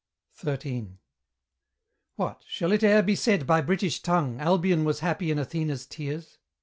XIII. What! shall it e'er be said by British tongue Albion was happy in Athena's tears?